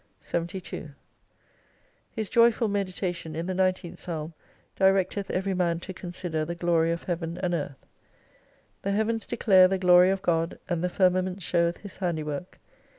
72 His joyful meditation in the nineteenth psalm dirccteth every man to consider the glory of Heaven and Earth. The Heavens declare the glory of God, and the firmament showeth His handiwork.